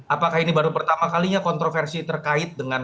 apakah ini baru pertama kalinya kontroversi terkait dengan